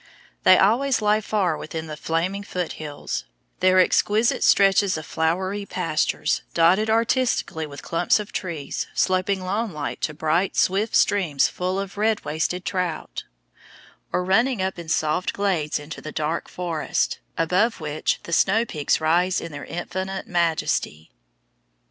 They always lie far within the flaming Foot Hills, their exquisite stretches of flowery pastures dotted artistically with clumps of trees sloping lawnlike to bright swift streams full of red waist coated trout, or running up in soft glades into the dark forest, above which the snow peaks rise in their infinite majesty.